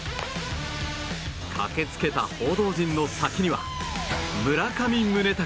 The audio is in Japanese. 駆けつけた報道陣の先には村上宗隆。